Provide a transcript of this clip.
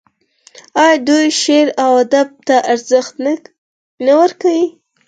آیا دوی شعر او ادب ته ارزښت نه ورکوي؟